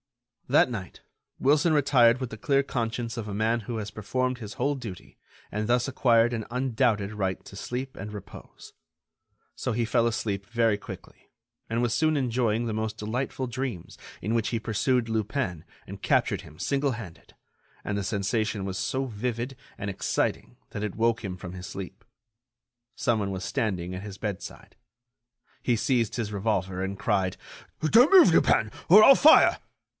That night, Wilson retired with the clear conscience of a man who has performed his whole duty and thus acquired an undoubted right to sleep and repose. So he fell asleep very quickly, and was soon enjoying the most delightful dreams in which he pursued Lupin and captured him single handed; and the sensation was so vivid and exciting that it woke him from his sleep. Someone was standing at his bedside. He seized his revolver, and cried: "Don't move, Lupin, or I'll fire."